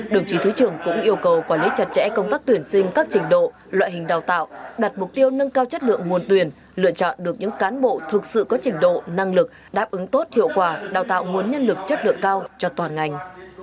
đồng chí thứ trưởng cũng yêu cầu quản lý chặt chẽ công tác tuyển sinh các trình độ loại hình đào tạo đặt mục tiêu nâng cao chất lượng nguồn tuyển lựa chọn được những cán bộ thực sự có trình độ năng lực đáp ứng tốt hiệu quả đào tạo nguồn nhân lực chất lượng cao cho toàn ngành